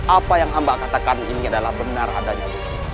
apa yang mbak katakan ini adalah benar adanya